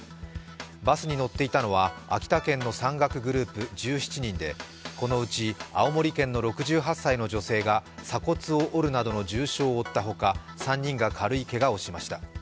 バスに乗っていたのは秋田県の山岳グループ１７人でこのうち青森県の６８歳の女性が鎖骨を折るなどの重傷を負ったほか、３人が軽いけがをしました。